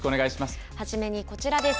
初めにこちらです。